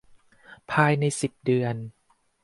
ภายใน สิบ เดือน